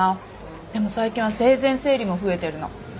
でも最近は生前整理も増えてるの。